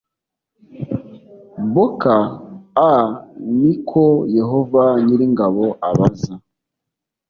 boka a ni ko yehova nyir ingabo abaza